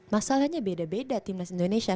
masalahnya beda beda timnas indonesia